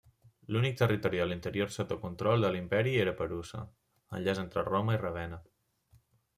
L'únic territori de l'interior sota control de l'Imperi era Perusa, enllaç entre Roma i Ravenna.